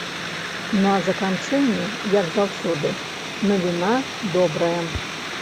На заканчэнне, як заўсёды, навіна добрая.